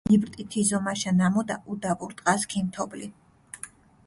იპრტი თი ზომაშა ნამუდა, უდაბურ ტყას ქიმთობლი.